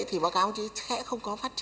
thì báo cáo chứ sẽ không có